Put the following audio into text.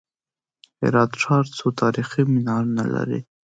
هرات ښار څو تاریخي منارونه لري؟